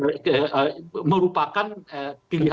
pilihannya pak jokowi